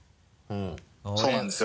そうなんですよ。